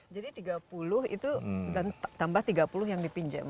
jadi tiga puluh itu dan tambah tiga puluh yang dipinjem